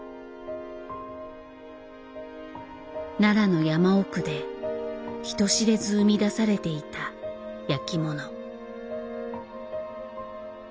奈良の山奥で人知れず生み出されていた焼きもの。